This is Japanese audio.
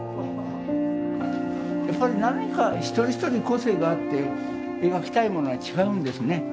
やっぱり何か一人一人個性があって描きたいものが違うんですね。